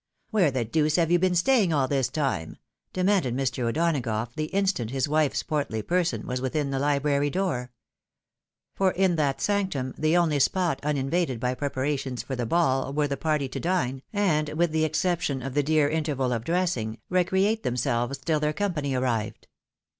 " Where the deuce have you been stay ing all this time ?" demanded Mr. O'Donagough the instant his wife's portly person was within the library door. For in that sanctum, the oidy spot uninvaded by preparations for the ball, were the party to dme, and, with the exception of the dear inter val of dressing, recreate themselves tUl their company arrived.